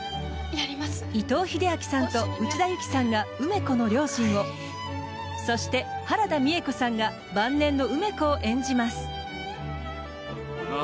伊藤英明さんと内田有紀さんが梅子の両親をそして原田美枝子さんが晩年の梅子を演じます。